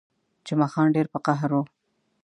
جمعه خان ډېر په قهر وو.